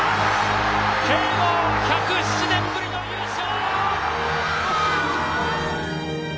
慶応、１０７年ぶりの優勝！